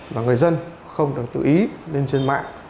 và người dân không được tự ý lên trên mạng